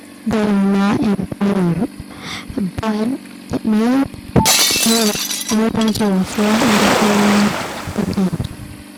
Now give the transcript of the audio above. They are not employed, but may not be able to afford employees themselves.